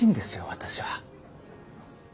私は。